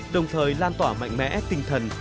đồng thời lan tỏa mạnh mẽ tinh thần